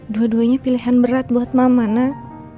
dua duanya pilihan berat buat mama nak